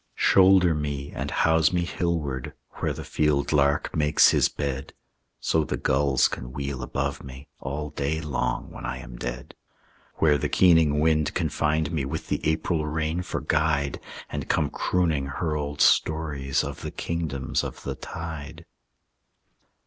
Shoulder me and house me hillward, Where the field lark makes his bed, So the gulls can wheel above me, All day long when I am dead; Where the keening wind can find me With the April rain for guide, And come crooning her old stories Of the kingdoms of the tide.